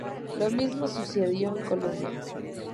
Lo mismo sucedió en Colombia.